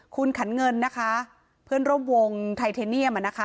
คุณขันเงินนะคะเพื่อนร่วมวงไทเทเนียมอ่ะนะคะ